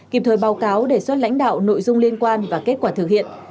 kịp thời báo cáo đề xuất lãnh đạo nội dung liên quan và kết quả thực hiện